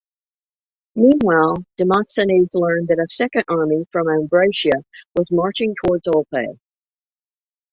Meanwhile, Demosthenes learned that a second army from Ambracia was marching towards Olpae.